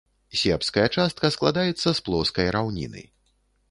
Сербская частка складаецца з плоскай раўніны.